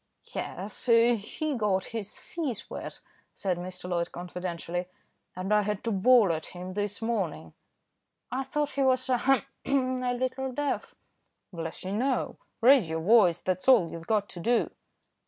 "Yes, he got his feet wet," said Mr. Loyd confidentially, "and I had to bawl at him this morning." "I thought he was, ahem! a little deaf." "Bless you no, raise your voice, that's all you've got to do."